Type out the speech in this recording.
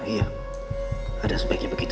iya ada sebaiknya begitu